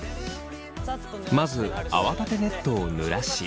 まず泡立てネットをぬらし。